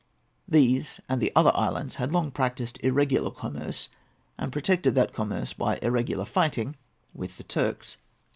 These and the other islands had long practised irregular commerce, and protected that commerce by irregular fighting with the Turks.